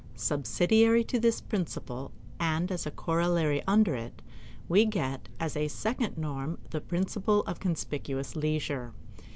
Subsidiary to this principle, and as a corollary under it, we get as a second norm the principle of conspicuous leisure.